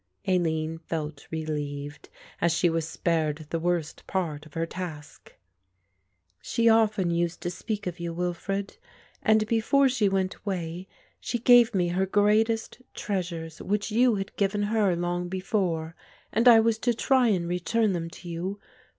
Aline felt relieved, as she was spared the worst part of her task. "She often used to speak of you, Wilfred, and before she went away, she gave me her greatest treasures which you had given her long before; and I was to try and return them to you.